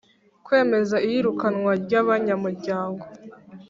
Kwemeza iyirukanwa ry abanyamuryango